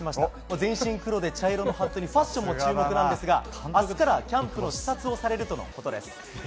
全身黒で茶色のハットでファッションも注目ですが明日からキャンプの視察もされるということです。